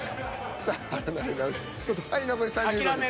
はい残り３０秒です。